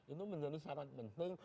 itu menjadi syarat penting